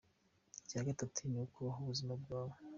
Icya gatatu ni ukubaho ubuzima bwawe.